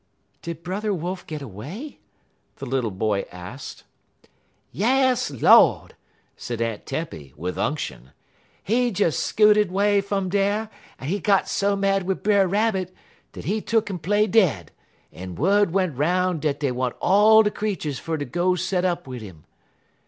"Did Brother Wolf get away?" the little boy asked. "Yas, Lord!" said Aunt Tempy, with unction; "he des scooted 'way fum dar, en he got so mad wid Brer Rabbit, dat he tuck'n play dead, en wud went 'roun' dat dey want all de creeturs fer ter go set up wid 'im.